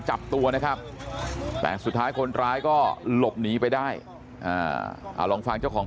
จับตัวนะครับแต่สุดท้ายคนร้ายก็หลบหนีไปได้ลองฟังเจ้าของ